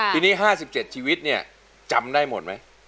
ทีนี้ห้าสิบเจ็ดชีวิตเนี่ยจำได้หมดไหม